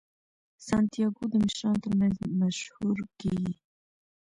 سانتیاګو د مشرانو ترمنځ مشهور کیږي.